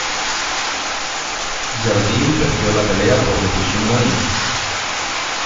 Jardine perdió la pelea por decisión unánime.